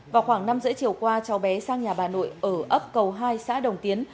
vào khoảng năm h ba mươi chiều qua cháu bé sang nhà bà nội ở ấp cầu hai xã đồng tiến